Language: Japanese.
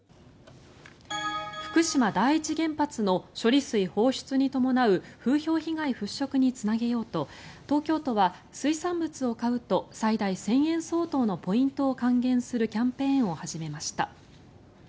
福島第一原発の処理水放出に伴う風評被害払しょくにつなげようと東京都は水産物を買うと最大１０００円相当のポイントを還元するキャンペーンを始めました。